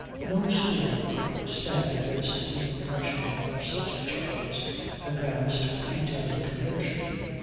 No scorn could stand against the impression of such charges advanced with heat and conviction.